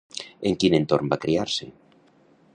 En quin entorn va criar-se?